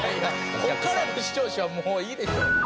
ここからの視聴者はもういいでしょ。